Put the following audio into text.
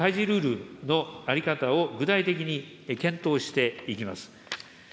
ルールの在り方を具体的に検討していきます。